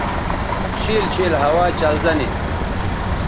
شِیل شِیل ہوا چلزہ نی